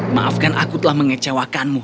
maafkan aku telah mengecewakanmu